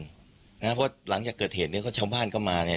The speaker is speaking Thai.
เพราะหลังจากเกิดเหตุเนี่ยก็ชาวบ้านก็มาเนี่ย